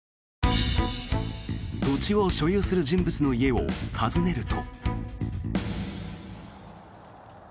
土地を所有する人物の家を訪ねると。